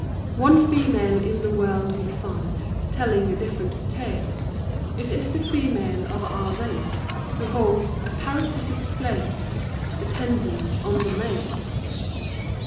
One female in the world we find Telling a different tale. It is the female of our race, Who holds a parasitic place Dependent on the male.